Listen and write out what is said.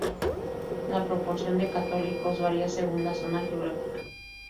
La proporción de católicos varía según la zona geográfica.